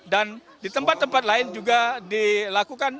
dan di tempat tempat lain juga dilakukan